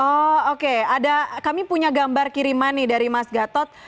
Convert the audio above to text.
oh oke ada kami punya gambar kiriman nih dari mas gatot